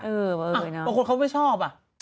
อ่ะบางคนเขาไม่ชอบอ่ะ